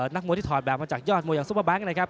นักมวยที่ถอดแบบมาจากยอดมวยอย่างซุปเปอร์แบงค์นะครับ